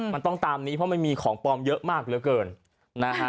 มันต้องตามนี้เพราะมันมีของปลอมเยอะมากเหลือเกินนะฮะ